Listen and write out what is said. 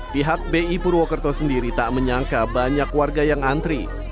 pihak bi purwokerto sendiri tak menyangka banyak warga yang antri